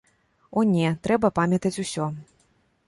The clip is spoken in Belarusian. О не, трэба памятаць усё.